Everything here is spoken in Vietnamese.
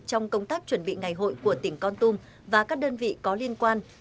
trong công tác chuẩn bị ngày hội của tỉnh con tum và các đơn vị có liên quan